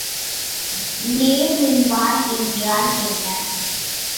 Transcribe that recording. நேர்மின்வாய் என்றால் என்ன?